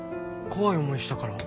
怖い思いしたから？